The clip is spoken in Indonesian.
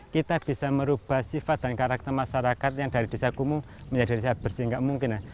kita bisa merubah sifat dan karakter masyarakat yang dari desa kumuh menjadi desa bersih nggak mungkin